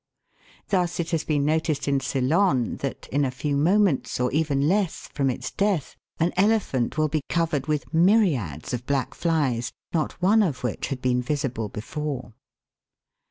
Thus it has been noticed in Ceylon that, in a few moments, OF SMELL. 215 or even less, from its death, an elephant will be covered with myriads of black flies, not one of which had been visible before.